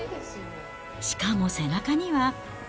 しかも背中には。